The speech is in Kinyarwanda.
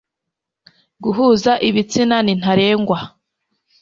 guhuza ibitsina ni ntarengwa